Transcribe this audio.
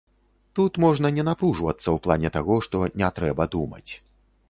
Тут можна не напружвацца ў плане таго, што не трэба думаць.